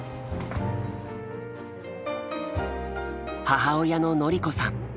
母親の典子さん。